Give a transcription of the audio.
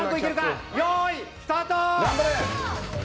よーい、スタート！